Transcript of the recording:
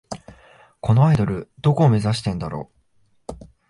このアイドル、どこを目指してんだろ